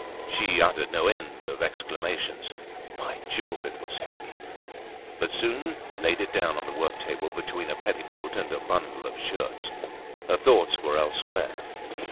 She uttered no end of exclamations. By Jove! It was heavy! But she soon laid it down on the work table, between a petticoat and a bundle of shirts. Her thoughts were elsewhere.